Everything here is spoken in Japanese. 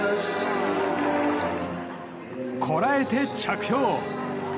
こらえて着氷！